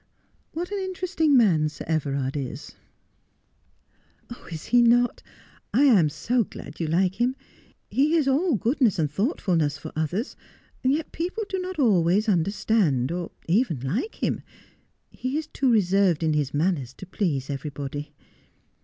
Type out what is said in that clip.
What an interesting man Sir Everard is !'' Is he not 1 I am so glad you like him. He is all goodness and thoughtfulness for others ; yet people do not always under stand, or even like him. He is too reserved in his manners to please everybody.'